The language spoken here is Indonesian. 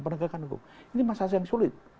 penegakan hukum ini masa yang sulit